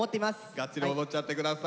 ガッツリ踊っちゃって下さい。